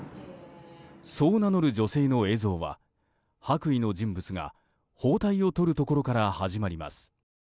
そう名乗る女性の映像は白衣の人物が包帯をとるところから始まります。